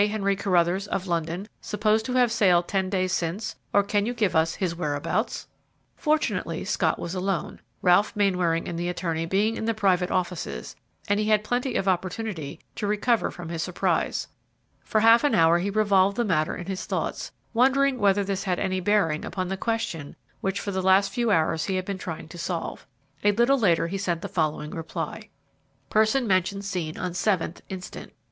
Henry Carruthers, of London, supposed to have sailed ten days since, or can you give us his whereabouts?" Fortunately, Scott was alone, Ralph Mainwaring and the attorney being in the private offices, and he had plenty of opportunity to recover from his surprise. For half an hour he revolved the matter in his thoughts, wondering whether this had any bearing upon the question which for the last few hours he had been trying to solve. A little later he sent the following reply: "Person mentioned seen on 7th instant.